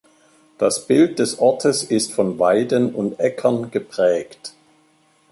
Das Bild des Ortes ist von Weiden und Äckern geprägt.